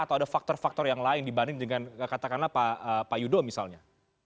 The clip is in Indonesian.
atau ada faktor faktor yang lain dibanding dengan katakanlah pak yudo misalnya